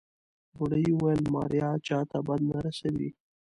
بوډۍ وويل ماريا چاته بد نه رسوي.